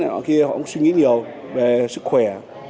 mọi người kia họ cũng suy nghĩ nhiều về sức khỏe